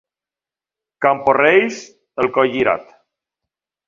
Camporrells, el coll girat.